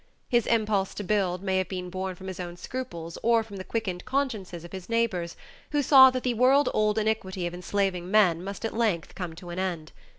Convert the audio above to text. His impulse to build may have been born from his own scruples or from the quickened consciences of his neighbors who saw that the world old iniquity of enslaving men must at length come to an end.